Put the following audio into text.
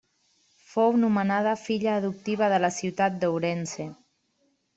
Fou nomenada filla adoptiva de la ciutat d'Ourense.